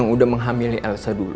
jadi dia memilih elsa dulu